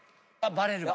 バレるわ。